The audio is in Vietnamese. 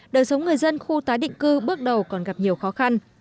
đời sống người dân khu tái định cư bước đầu còn gặp nhiều khó khăn